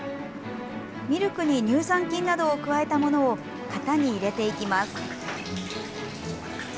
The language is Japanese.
ミルクに乳酸菌などを加えたものを型に入れていきます。